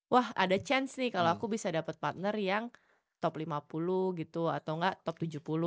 wah ada chance nih kalau aku bisa dapat partner yang top lima puluh gitu atau enggak top tujuh puluh